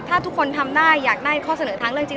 ถ้าทุกคนทำได้อยากได้ข้อเสนอทางเรื่องจริง